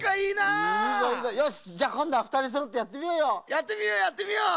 やってみようやってみよう。